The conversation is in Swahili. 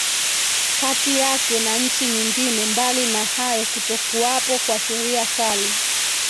kati yake na nchi nyingine Mbali na hayo kutokuwapo kwa sheria kali